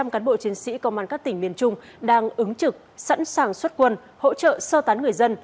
một trăm linh cán bộ chiến sĩ công an các tỉnh miền trung đang ứng trực sẵn sàng xuất quân hỗ trợ sơ tán người dân